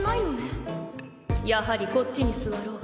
やはりこっちに座ろう。